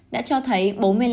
đã cho thấy bốn mươi năm hai